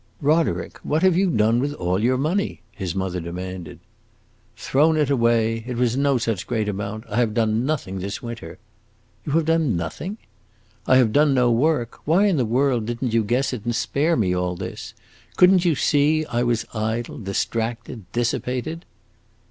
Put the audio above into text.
"Roderick, what have you done with all your money?" his mother demanded. "Thrown it away! It was no such great amount. I have done nothing this winter." "You have done nothing?" "I have done no work! Why in the world did n't you guess it and spare me all this? Could n't you see I was idle, distracted, dissipated?"